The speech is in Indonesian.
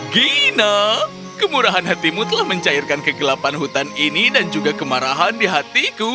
gina kemurahan hatimu telah mencairkan kegelapan hutan ini dan juga kemarahan di hatiku